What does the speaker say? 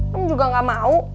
rum juga gak mau